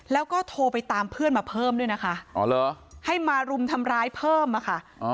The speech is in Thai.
แล้วก็โทรไปตามเพื่อนมาเพิ่มด้วยนะคะให้มารุมทำร้ายเพิ่มอะค่ะ